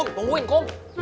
kom tungguin kom